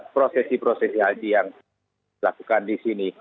prosesi prosesi haji yang dilakukan di sini